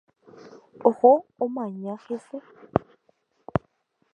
Oho omaña hese.